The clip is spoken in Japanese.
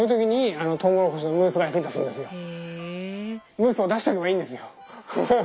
ムースを出しておけばいいんですよ。